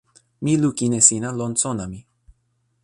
mi lukin e sina lon sona mi.